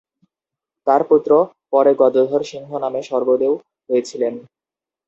তাঁর পুত্র পরে গদাধর সিংহ নামে স্বর্গদেউ হয়েছিলেন।